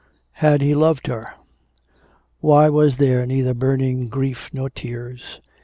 Had he loved her? Why was there neither burning grief nor tears?